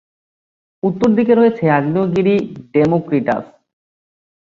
উত্তর দিকে রয়েছে আগ্নেয়গিরি ডেমোক্রিটাস।